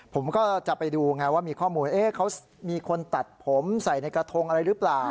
ผมก็จะไปดูไงว่ามีข้อมูลเขามีคนตัดผมใส่ในกระทงอะไรหรือเปล่า